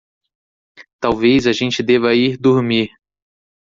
Talvez a gente deva ir dormir